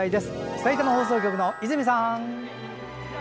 さいたま放送局の泉さん！